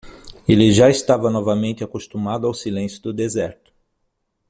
Ele já estava novamente acostumado ao silêncio do deserto.